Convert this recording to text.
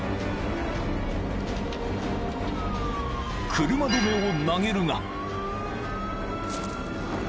［車止めを投げるが］